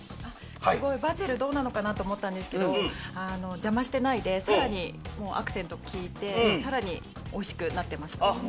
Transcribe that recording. すごいバジルどうなのかな？と思ったんですけど邪魔してないでさらにもうアクセント効いてさらにおいしくなってました。